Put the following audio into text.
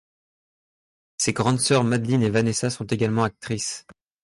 Ses grandes sœurs Madeline et Vanessa sont également actrices.